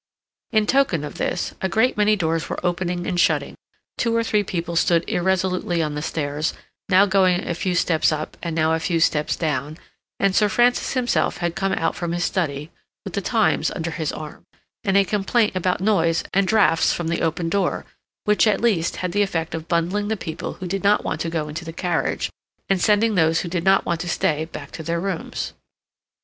In token of this, a great many doors were opening and shutting, two or three people stood irresolutely on the stairs, now going a few steps up, and now a few steps down, and Sir Francis himself had come out from his study, with the "Times" under his arm, and a complaint about noise and draughts from the open door which, at least, had the effect of bundling the people who did not want to go into the carriage, and sending those who did not want to stay back to their rooms.